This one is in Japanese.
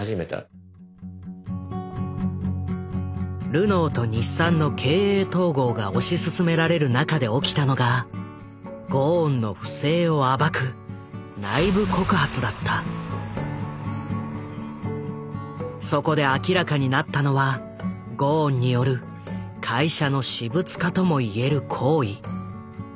ルノーと日産の経営統合が推し進められる中で起きたのがゴーンの不正を暴くそこで明らかになったのはゴーンによる会社の私物化ともいえる行為。